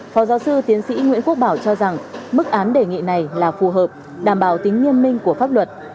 phó giáo sư tiến sĩ nguyễn quốc bảo cho rằng mức án đề nghị này là phù hợp đảm bảo tính nghiêm minh của pháp luật